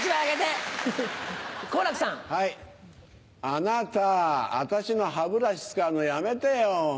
あなた私の歯ブラシ使うのやめてよ。